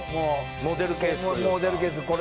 モデルケース